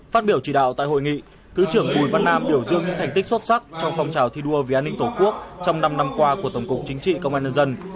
phát biểu chỉ đạo tại hội nghị thứ trưởng bùi văn nam biểu dương những thành tích xuất sắc trong phong trào thi đua vì an ninh tổ quốc trong năm năm qua của tổng cục chính trị công an nhân dân